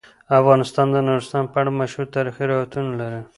افغانستان د نورستان په اړه مشهور تاریخی روایتونه لري.